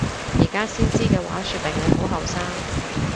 而家先知嘅話說明你好後生！